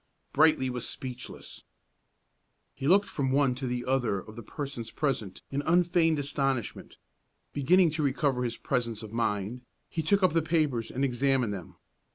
Brightly was speechless. He looked from one to the other of the persons present in unfeigned astonishment. Beginning to recover his presence of mind, he took up the papers and examined them.